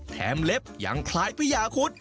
แถมเล็บอย่างคล้ายพระยาคุฎ